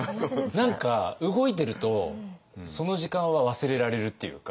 何か動いてるとその時間は忘れられるっていうか。